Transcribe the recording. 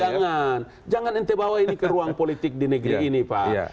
jangan jangan ente bawa ini ke ruang politik di negeri ini pak